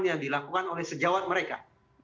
yang dilakukan oleh sejawat mereka